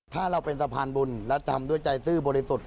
ถ้าเราเป็นสะพานบุญแล้วทำด้วยใจซื่อบริสุทธิ์